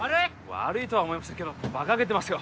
悪いとは思いませんけどバカげてますよ